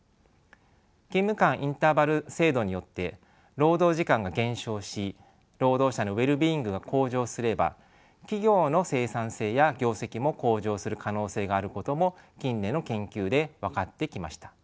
勤務間インターバル制度によって労働時間が減少し労働者のウェルビーイングが向上すれば企業の生産性や業績も向上する可能性があることも近年の研究で分かってきました。